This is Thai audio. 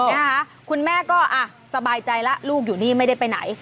นะคะคุณแม่ก็อ่ะสบายใจแล้วลูกอยู่นี่ไม่ได้ไปไหน